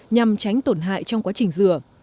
nhằm tránh tổn hại trong quá trình rửa